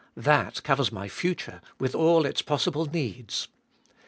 That covers my future, with all its possible needs.